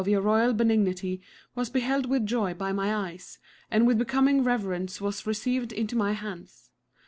EPISTOLA VII* 111 beheld with joy by my eyes, and with becoming reverence was received into my hands.